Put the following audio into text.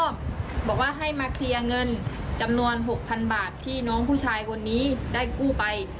บอกว่าให้มาเคลียร์เงินจำนวน๖๐๐๐บาทที่น้องผู้ชายคนนี้ได้กู้ไป